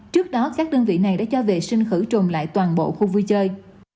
trước đó các đơn vị này đã cho vệ sinh khử trùng lại toàn bộ khu vui chơi